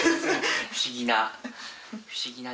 不思議な。